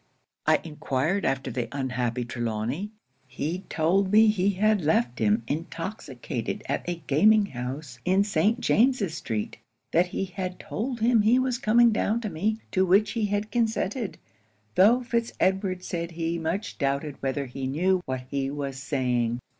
'I enquired after the unhappy Trelawny? He told me he had left him intoxicated at a gaming house in St. James's street; that he had told him he was coming down to me, to which he had consented, tho' Fitz Edward said he much doubted whether he knew what he was saying.